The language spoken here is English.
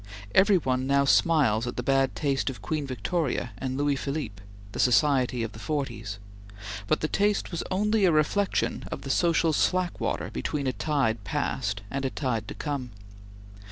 Every one now smiles at the bad taste of Queen Victoria and Louis Philippe the society of the forties but the taste was only a reflection of the social slack water between a tide passed, and a tide to come.